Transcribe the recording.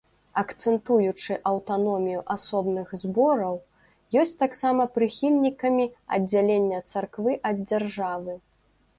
Акцэнтуючы аўтаномію асобных збораў, ёсць таксама прыхільнікамі аддзялення царквы ад дзяржавы.